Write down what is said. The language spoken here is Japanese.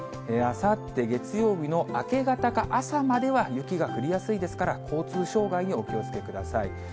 あさって月曜日の明け方か朝までは、雪が降りやすいですから、交通障害にお気をつけください。